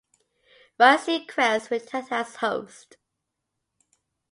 Ryan Seacrest returned as host.